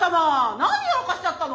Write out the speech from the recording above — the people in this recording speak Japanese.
何やらかしちゃったの？